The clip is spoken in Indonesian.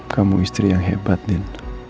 kamu istri yang hebat dan